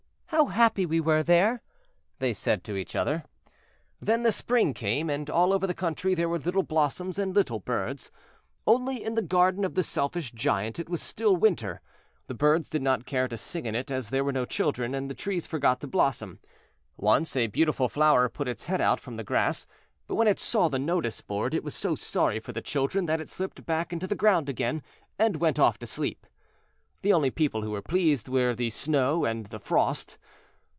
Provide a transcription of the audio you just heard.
"How happy we were there," they said to each other. Then the Spring came, and all over the country there were little blossoms and little birds. Only in the garden of the Selfish Giant it was still winter. The birds did not care to sing in it as there were no children, and the trees forgot to blossom. Once a beautiful flower put its head out from the grass, but when it saw the notice board it was so sorry for the children that it slipped back into the ground again, and went off to sleep. The only people who were pleased were the Snow and the Frost.